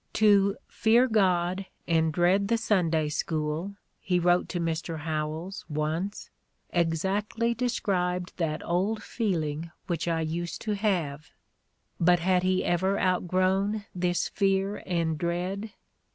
"To 'fear God and dread the Sunday School,' " he wrote to Mr. Howells once, "exactly described that old feeling which I used to have." But had he ever out grown this fear and dread?